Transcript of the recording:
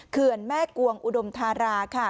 เขื่อนแม่กวงอุดมธาราค่ะ